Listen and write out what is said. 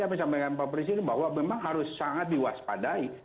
sampai sampai dengan pak presiden bahwa memang harus sangat diwaspadai